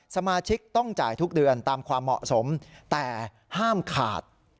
สมาชิกต้องจ่ายทุกเดือนตามความเหมาะสมแต่ห้ามขาด